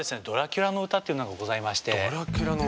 「ドラキュラのうた」っていうのがございまして。